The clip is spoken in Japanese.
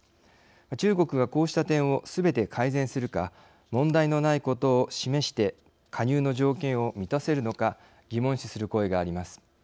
中国がこうした点をすべて改善するか問題のないことを示して加入の条件を満たせるのか疑問視する声があります。